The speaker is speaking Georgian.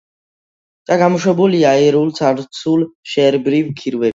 ჭა გამომუშავებულია იურულ ცარცულ შრეებრივ კირქვებში.